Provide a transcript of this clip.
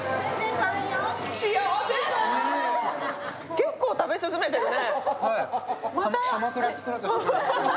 結構食べ進めてるね。